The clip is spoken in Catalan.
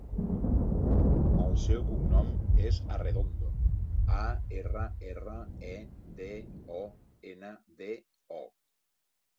El seu cognom és Arredondo: a, erra, erra, e, de, o, ena, de, o.